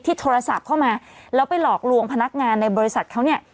โทรศัพท์เข้ามาแล้วไปหลอกลวงพนักงานในบริษัทเขาเนี่ย